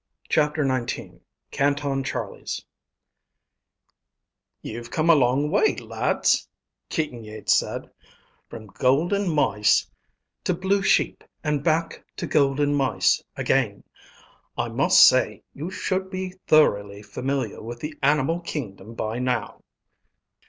CHAPTER XIX Canton Charlie's "You've come a long way, lads," Keaton Yeats said. "From golden mice to blue sheep and back to golden mice again. I must say, you should be thoroughly familiar with the animal kingdom by now."